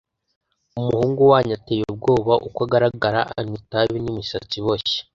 umuhungu wanyu ateye ubwoba uko agaragara anywa itabi n’imisatsi iboshye